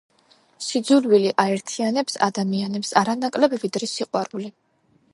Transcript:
სიძულვილი აერთიანებს ადამიანებს არანაკლებ, ვიდრე სიყვარული.